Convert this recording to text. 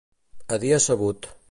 A dia sabut.